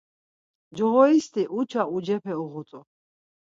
Coğoristi uça ucepe uğut̆u.